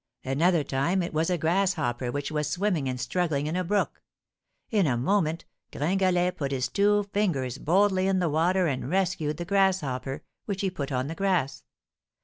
Another time it was a grasshopper which was swimming and struggling in a brook; in a moment, Gringalet put his two fingers boldly in the water and rescued the grasshopper, which he put on the grass.